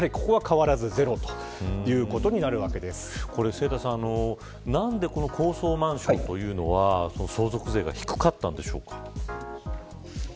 清田さん、何でこの高層マンションというのは相続税が低かったんでしょうか。